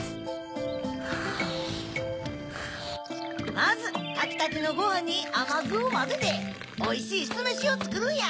まずたきたてのごはんにあまずをまぜておいしいすめしをつくるんや！